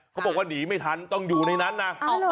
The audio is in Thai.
เขาบอกว่าหนีไม่ทันต้องอยู่ในนั้นนะ